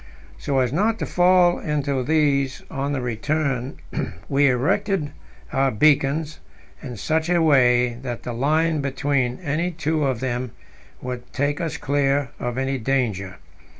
So as not to fall into these on the return, we erected our beacons in such a way that the line between any two of them would take us clear of any danger.